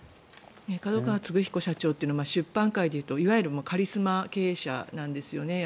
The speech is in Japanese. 角川歴彦社長って出版界で言うといわゆるカリスマ経営者なんですね。